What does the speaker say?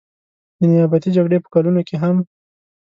د نیابتي جګړې په کلونو کې هم.